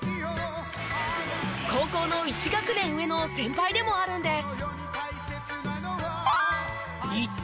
高校の１学年上の先輩でもあるんです。